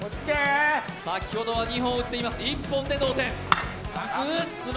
先ほどは２本打っています、１本で同点。